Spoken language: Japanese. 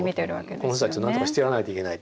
この人たちをなんとかしてやらないといけないって。